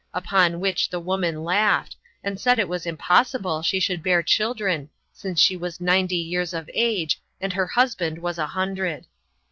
Upon which the woman laughed, and said that it was impossible she should bear children, since she was ninety years of age, and her husband was a hundred.